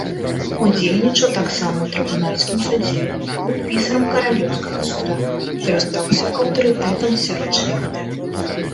Удзельнічаў таксама ў трыбунальскім судзе, быў пісарам каралеўскага суда, карыстаўся аўтарытэтам сярод шляхты.